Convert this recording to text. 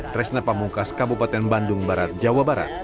tresna pamungkas kabupaten bandung barat jawa barat